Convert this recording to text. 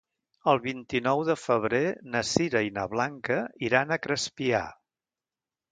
El vint-i-nou de febrer na Sira i na Blanca iran a Crespià.